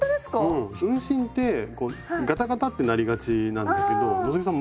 うん運針ってガタガタってなりがちなんだけど希さん